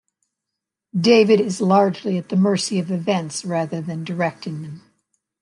David is largely at the mercy of events rather than directing them.